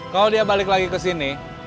kalau dia balik lagi ke sini